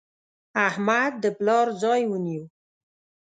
احمد د پلار ځای ونیو.